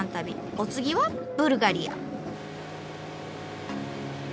お次はブルガリア。